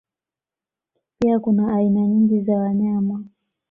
Pia kuna aina nyingi za wanyama